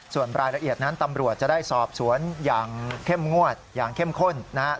ส่วนรายละเอียดนั้นตำรวจจะได้สอบสวนอย่างเข้มงวดอย่างเข้มข้นนะครับ